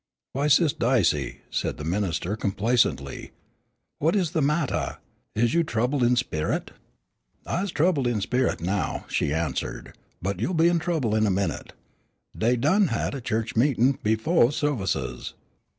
"Why, Sis' Dicey," said the minister complacently, "what is the mattah? Is you troubled in sperit?" "I's troubled in sperit now," she answered, "but you'll be troubled in a minute. Dey done had a church meetin' befo' services.